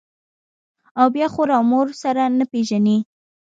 او بيا خور و مور سره نه پېژني.